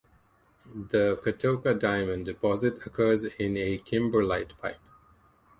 The Catoca diamond deposit occurs in a kimberlite pipe.